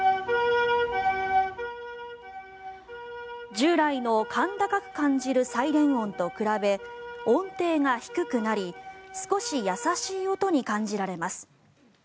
従来の甲高く感じるサイレン音と比べ音程が低くなり少し優しい音に感じられます。